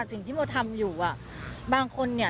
สิ่งที่โมทำอยู่อ่ะบางคนเนี่ย